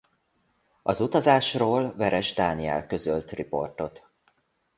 Az utazásról Veress Dániel közölt riportot.